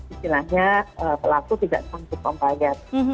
istilahnya pelaku tidak sanggup membayar